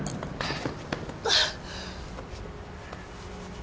あっ